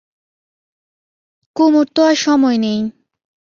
কুমুর তো আর সময় নেই।